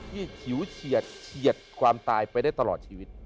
ที่ฉิวเฉียดเฉียดความตายไปได้ตลอดชีวิต